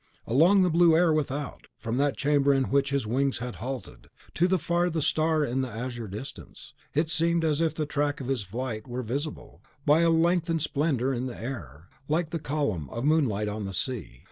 Along the blue air without, from that chamber in which his wings had halted, to the farthest star in the azure distance, it seemed as if the track of his flight were visible, by a lengthened splendour in the air, like the column of moonlight on the sea.